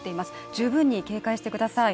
十分に警戒してください。